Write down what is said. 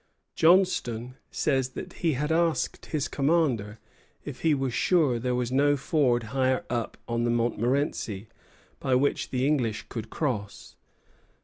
Johnstone says that he asked his commander if he was sure there was no ford higher up on the Montmorenci, by which the English could cross.